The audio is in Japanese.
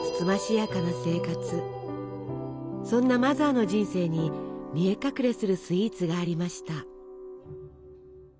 そんなマザーの人生に見え隠れするスイーツがありました。